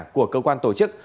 của cơ quan tổ chức